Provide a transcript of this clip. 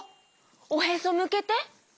おへそむけて。